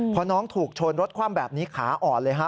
พอน้องถูกชนรถคว่ำแบบนี้ขาอ่อนเลยฮะ